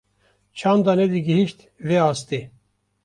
çanda nedigîhîşt vê astê.